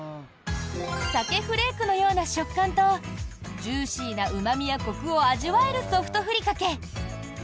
サケフレークのような食感とジューシーなうま味やコクを味わえる「ソフトふりかけ」。